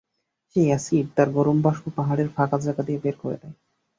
সেই অ্যাসিড তার গরম বাষ্প পাহাড়ের ফাঁকা জায়গা দিয়ে বের করে দেয়।